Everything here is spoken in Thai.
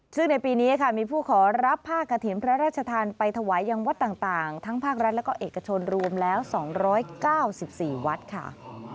ซึ่งในปีนี้ค่ะมีผู้ขอรับผ้ากระถิ่นพระราชทานไปถวายยังวัดต่างทั้งภาครัฐและก็เอกชนรวมแล้ว๒๙๔วัดค่ะ